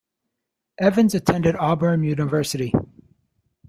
Evans attended Auburn University.